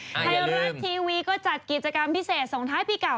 ไทยรัฐทีวีก็จัดกิจกรรมพิเศษส่งท้ายปีเก่า